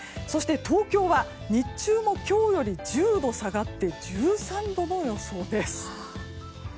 そして、東京は日中も今日より１０度下がって１３度の予想です。